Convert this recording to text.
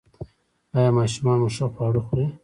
ایا ماشومان مو ښه خواړه خوري؟